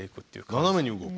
斜めに動く。